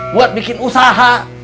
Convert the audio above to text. buat bikin usaha